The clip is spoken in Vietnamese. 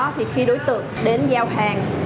thì khi đối tượng đến giao hàng